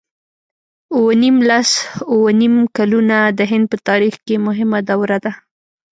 اووه نېم لس اووه نېم کلونه د هند په تاریخ کې مهمه دوره ده.